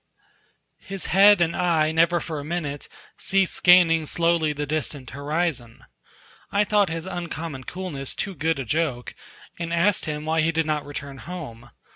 His head and eye never for a minute ceased scanning slowly the distant horizon. I thought his uncommon coolness too good a joke, and asked him why he did not return home.